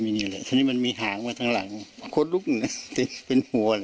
นางสาวยุระวันจำนงหลานสาวของนายสอยก็บอกว่า